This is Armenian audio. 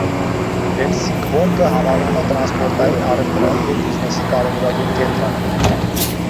Հելսինգբորգը համարվում է տրանսպորտային, առևտրային և բիզնեսի կարևորագույն կենտրոն։